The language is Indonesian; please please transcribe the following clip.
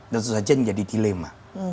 tentu saja menjadi dilema